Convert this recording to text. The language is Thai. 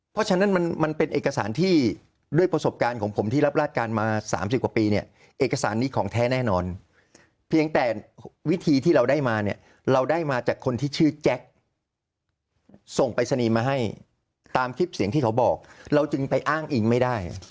เพราะฉะนั้นมันเป็นเอกสารที่ด้วยประสบการณ์ของผมที่รับราชการมา๓๐กว่าปีเนี่ยเอกสารนี้ของแท้แน่นอนเพียงแต่วิธีที่เราได้มาเนี่ยเราได้มาจากคนที่ชื่อแจ็คส่งปรายศนีย์มาให้ตามคลิปเสียงที่เขาบอกเราจึงไปอ้างอิงไม่ได้